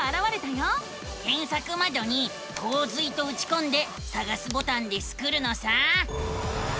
けんさくまどに「こう水」とうちこんでさがすボタンでスクるのさ。